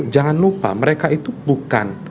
jangan lupa mereka itu bukan